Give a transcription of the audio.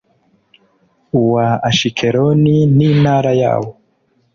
uwa ashikeloni n'intara yawo